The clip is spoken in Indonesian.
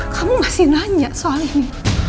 kamu masih nanya soal ini